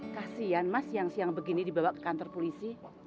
kasian mas siang siang begini dibawa ke kantor polisi